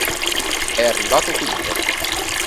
È arrivato quinto.